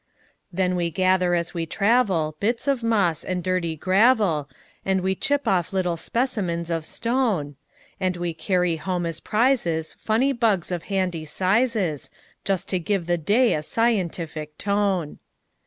Then we gather as we travelBits of moss and dirty gravel, And we chip off little specimens of stone; And we carry home as prizesFunny bugs of handy sizes, Just to give the day a scientific tone.